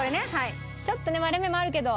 ちょっとね割れ目もあるけど。